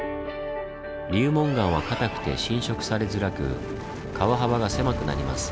流紋岩は硬くて侵食されづらく川幅が狭くなります。